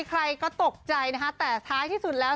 ใครก็ตกใจนะคะแต่ท้ายที่สุดแล้ว